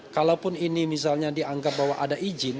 kalaupun ini misalnya dianggap bahwa ada izin